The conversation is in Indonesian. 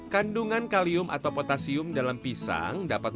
kandungan kalium atau potasium dalam pisang dapat membatasi